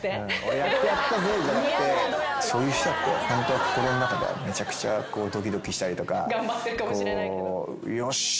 やってやったぜじゃなくそういう人だってホントは心の中ではめちゃくちゃドキドキしたりとかよっしゃ！